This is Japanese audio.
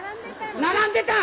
並んでた！